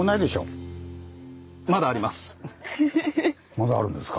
まだあるんですか。